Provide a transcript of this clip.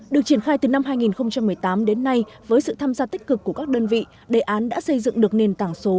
được triển khai từ năm hai nghìn một mươi tám đến nay với sự tham gia tích cực của các đơn vị đề án đã xây dựng được nền tảng số